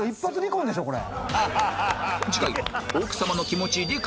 次回は